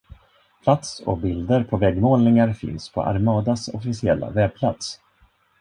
Plats och bilder på väggmålningar finns på Armadas officiella webbplats.